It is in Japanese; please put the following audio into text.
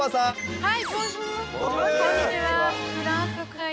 はい。